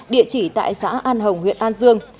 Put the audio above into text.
địa chỉ tại xã an hồng huyện an dương